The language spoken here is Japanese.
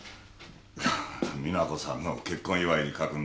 ハハ実那子さんの結婚祝いに描くんだ。